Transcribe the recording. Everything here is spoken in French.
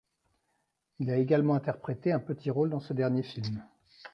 Il a également interprété un petit rôle dans ce dernier film.